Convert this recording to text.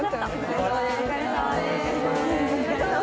お疲れさまです